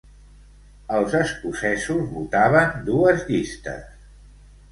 Els escocesos votaven dues llistes.